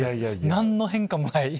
何の変化もない。